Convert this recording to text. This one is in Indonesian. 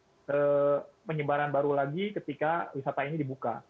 karena tidak terjadi penyebaran baru lagi ketika wisata ini dibuka